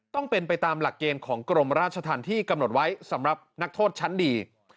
ต้องเป็นไปตามหลักเกณฑ์ของกรมราชธรรมที่กำหนดไว้สำหรับนักโทษชั้นดี